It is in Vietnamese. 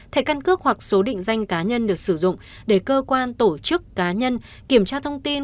thẻ căn cước hoặc số định danh cá nhân được sử dụng để cơ quan tổ chức cá nhân kiểm tra thông tin